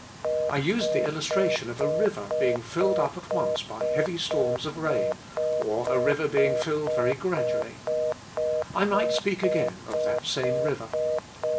I used the illustration of a river being filled up at once by heavy storms of rain, or a river being filled very gradually. I might speak again, of that same river.